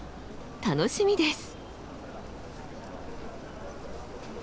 楽しみです！